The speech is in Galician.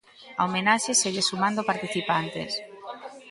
A homenaxe segue sumando participantes.